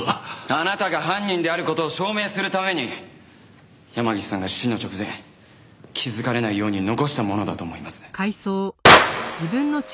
あなたが犯人である事を証明するために山岸さんが死の直前気づかれないように残したものだと思います。